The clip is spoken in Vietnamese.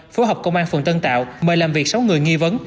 phối hợp công an phường tân tạo mời làm việc sáu người nghi vấn